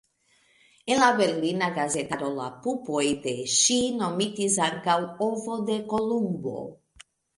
En la berlina gazetaro la pupoj de ŝi nomitis ankaŭ "ovo de Kolumbo".